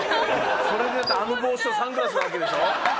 それであの帽子とサングラスなわけでしょ？